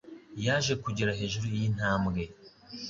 yaje kugera hejuru yintambwe.